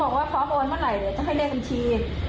เขาบอกว่าพอโอนเมื่อไหร่เดี๋ยวจะให้เลขบัญชี